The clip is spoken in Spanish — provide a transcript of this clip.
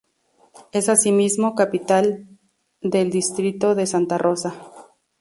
Es asimismo capital del distrito de Santa Rosa.